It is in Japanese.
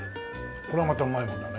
これはまたうまいもんだね。